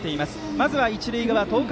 まずは一塁側東海